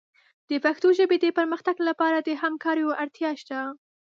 د پښتو ژبې د پرمختګ لپاره د همکاریو اړتیا شته.